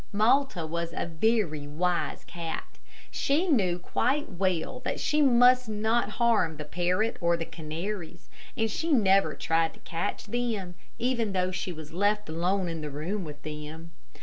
Malta was a very wise cat. She knew quite well that she must not harm the parrot nor the canaries, and she never tried to catch them, even though she was left alone in the room with them.